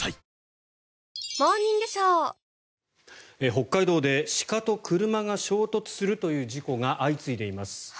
北海道で鹿と車が衝突するという事故が相次いでいます。